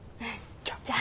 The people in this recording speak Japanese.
じゃあ。